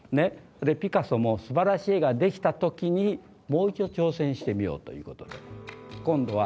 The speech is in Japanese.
ピカソもすばらしい絵ができた時にもう一度挑戦してみようと。